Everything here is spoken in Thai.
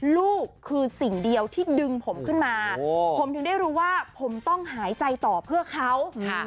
ลูกคือสิ่งเดียวที่ดึงผมขึ้นมาผมถึงได้รู้ว่าผมต้องหายใจต่อเพื่อเขา